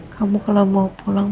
kamu kalau mau pulang